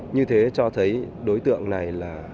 như thế cho thấy đối tượng này